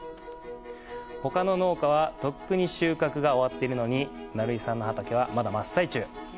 ほかの農家はとっくに収穫が終わっているのに、成井さんの畑はまだ真っ最中。